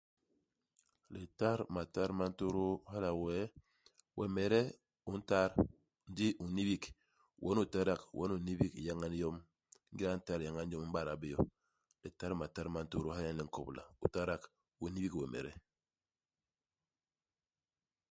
Litat matat ma ntôdôô, hala wee, wemede u ntat ndi u n'nibik. Wen u tadak, wen u nibik iyañan yom. Ingéda u ntat iyañan yom, u m'bada bé yo. Litat matat ma ntôdôô, hala nyen li nkobla. U tadak, u n'nibik wemede.